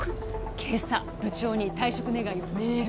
今朝部長に退職願をメールで